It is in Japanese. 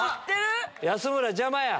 安村邪魔や！